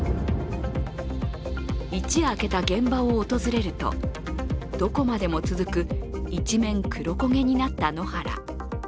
一夜明けが現場を訪れるとどこまでも続く一面黒焦げになった野原。